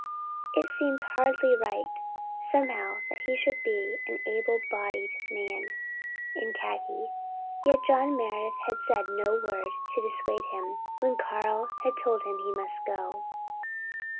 It seemed hardly right somehow that he should be an "able bodied man" in khaki. Yet John Meredith had said no word to dissuade him when Carl had told him he must go.